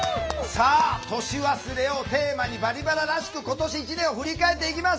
さあ、年忘れをテーマに「バリバラ」らしく今年１年を振り返っていきます。